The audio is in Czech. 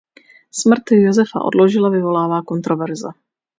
Smrt Josefa Odložila vyvolává kontroverze.